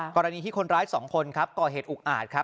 กรณีที่คนร้ายสองคนก่อเหตุอุกอาจ